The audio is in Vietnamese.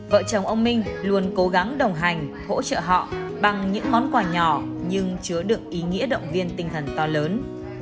vợ chồng ông minh luôn cố gắng đồng hành hỗ trợ họ bằng những món quà nhỏ nhưng chứa được ý nghĩa động viên tinh thần to lớn